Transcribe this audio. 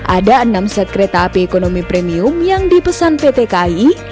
ada enam set kereta api ekonomi premium yang dipesan pt kai